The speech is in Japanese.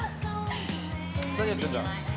何やってんだ。